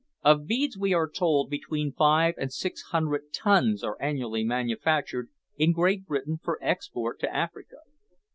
Of beads, we are told, between five and six hundred tons are annually manufactured in Great Britain for export to Africa.